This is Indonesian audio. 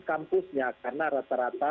kampusnya karena rata rata